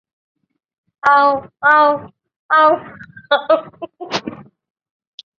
আউ, আউ, আউ, আউ।